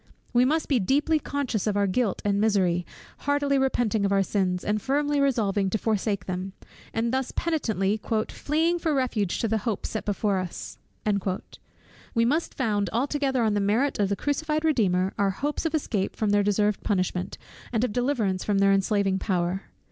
We must be deeply conscious of our guilt and misery, heartily repenting of our sins, and firmly resolving to forsake them: and thus penitently "fleeing for refuge to the hope set before us," we must found altogether on the merit of the crucified Redeemer our hopes of escape from their deserved punishment, and of deliverance from their enslaving power.